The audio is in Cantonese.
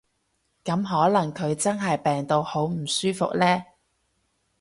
噉可能佢真係病到好唔舒服呢